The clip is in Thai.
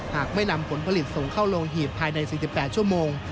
หากไม่นำผลผลิตส่งเข้าโรงหีบภายใน๔๘ชั่วโมง